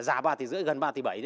già ba tỷ rưỡi gần ba tỷ bảy